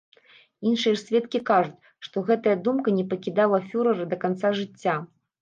Іншыя ж сведкі кажуць, што гэтая думка не пакідала фюрэра да канца жыцця.